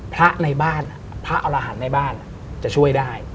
พระในบ้านพระอรหันต์ในบ้านจะช่วยได้